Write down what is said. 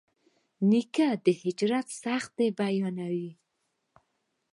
نیکه د هجرت سختۍ بیانوي.